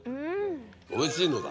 おいしいのだ。